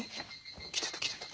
来てた来てた。